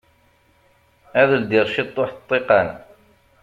Ad ldiɣ ciṭuḥ ṭṭiqan.